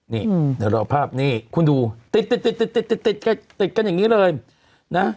นี่เดี๋ยวรอภาพนี่คุณดูติดติดติดกันอย่างนี้เลยนะ